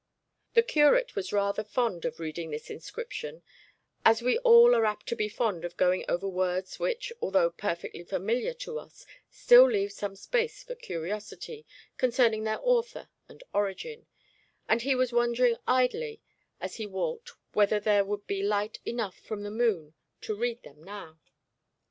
The curate was rather fond of reading this inscription, as we all are apt to be fond of going over words which, although perfectly familiar to us, still leave some space for curiosity concerning their author and origin, and he was wondering idly as he walked whether there would be light enough from the moon to read them now.